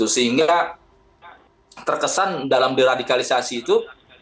sehingga terkesan dalam deradikalisasi itu